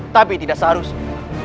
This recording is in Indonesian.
tapi tidak seharusnya